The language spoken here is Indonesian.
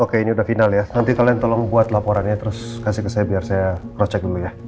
oke ini udah final ya nanti kalian tolong buat laporannya terus kasih ke saya biar saya cross check dulu ya